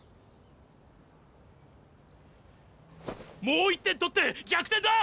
もう１点取って逆転だ！